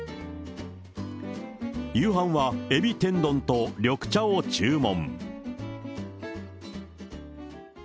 夕飯は海老天丼と緑茶を注文。